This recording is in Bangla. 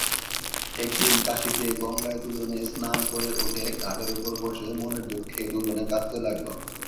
একদিন কাশীতে গঙ্গায় দুজনে স্নান করে উঠে ঘাটের ওপর বসে মনের দুঃখে দুজনে কাঁদতে লাগল।